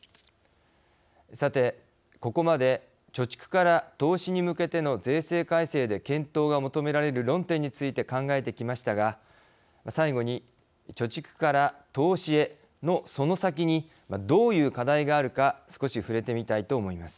さてここまで貯蓄から投資に向けての税制改正で検討が求められる論点について考えてきましたが最後に貯蓄から投資へのその先にどういう課題があるか少しふれてみたいと思います。